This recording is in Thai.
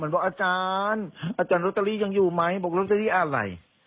บอกอาจารย์อาจารย์โรตเตอรี่ยังอยู่ไหมบอกลอตเตอรี่อะไร